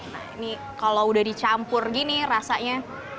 nah ini kalau udah dicampur gini rasanya